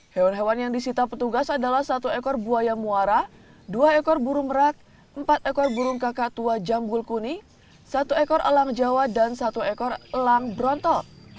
hewan hewan yang disita petugas adalah satu ekor buaya muara dua ekor burung merak empat ekor burung kakak tua jambul kuni satu ekor elang jawa dan satu ekor elang brontok